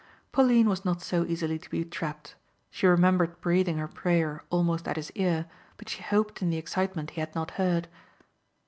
Pauline was not so easily to be trapped. She remembered breathing her prayer almost at his ear but she hoped in the excitement he had not heard.